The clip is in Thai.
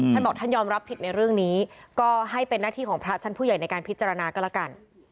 ท่านบอกท่านยอมรับผิดในเรื่องนี้ก็ให้เป็นหน้าที่ของพระชั้นผู้ใหญ่ในการพิจารณาก็แล้วกัน